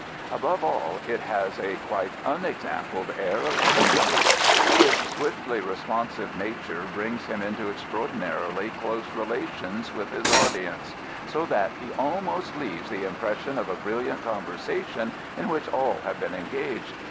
Above all it has a quite unexampled air of intimacy. His swiftly responsive nature brings him into extraordinarily close relations with his audience, so that he almost leaves the im pression of a brilliant conversation in which all have been engaged.